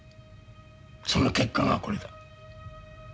その結果がこれだ。